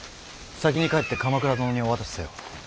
先に帰って鎌倉殿にお渡しせよ。